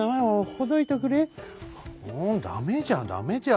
「ダメじゃダメじゃ。